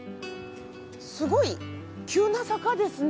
すごい急な坂ですね。